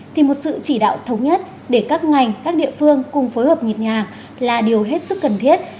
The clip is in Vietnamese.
thì một sự chỉ đạo thống nhất để các ngành các địa phương cùng phối hợp nhịp nhàng là điều hết sức cần thiết